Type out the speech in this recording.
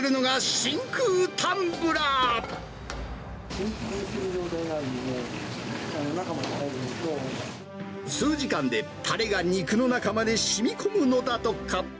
真空の状態になるので、数時間で、たれが肉の中までしみこむのだとか。